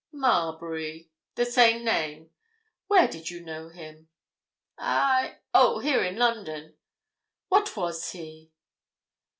"Marbury—the same name. Where did you know him?" "I—oh, here in London." "What was he?"